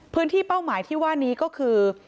พื้นที่เป้าหมายที่ว่านี้ก็คือ